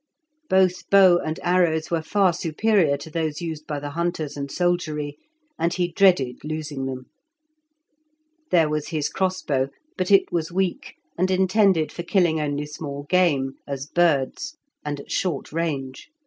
Both bow and arrows were far superior to those used by the hunters and soldiery, and he dreaded losing them. There was his crossbow, but it was weak, and intended for killing only small game, as birds, and at short range.